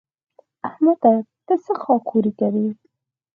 احمده! ته څه خاک ښوري کوې؟